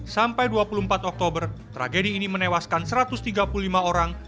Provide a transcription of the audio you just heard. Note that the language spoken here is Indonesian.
sampai dua puluh empat oktober tragedi ini menewaskan satu ratus tiga puluh lima orang